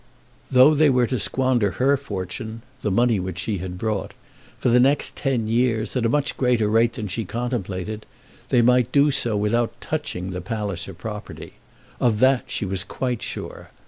Though they were to squander her fortune, the money which she had brought, for the next ten years at a much greater rate than she contemplated, they might do so without touching the Palliser property. Of that she was quite sure.